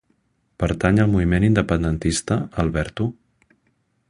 Pertany al moviment independentista el Berto?